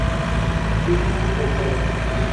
Yuki Okada